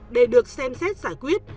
để được xem xét giải quyết